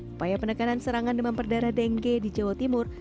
upaya penekanan serangan demam berdarah dengue di jawa timur